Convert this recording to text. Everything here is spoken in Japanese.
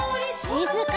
しずかに。